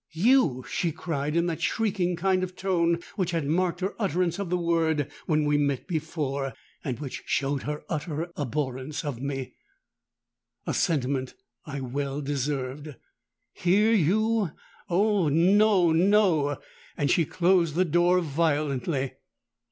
'—'You!' she cried, in that shrieking kind of tone which had marked her utterance of the word when we met before, and which showed her utter abhorrence of me—a sentiment I well deserved: 'hear you! Oh! no—no!'—and she closed the door violently.